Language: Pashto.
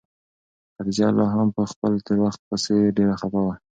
خدیجه لا هم په خپل تېر وخت پسې ډېره خفه وه.